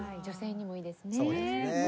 女性にもいいですね。